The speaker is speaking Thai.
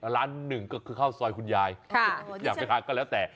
ร้านหนึ่งก็คือข้าวซอยคุณยายอยากไปทานก็แล้วแต่